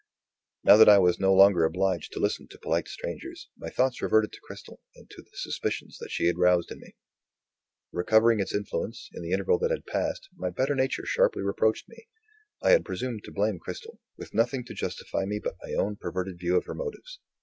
Now that I was no longer obliged to listen to polite strangers, my thoughts reverted to Cristel, and to the suspicions that she had roused in me. Recovering its influence, in the interval that had passed, my better nature sharply reproached me. I had presumed to blame Cristel, with nothing to justify me but my own perverted view of her motives.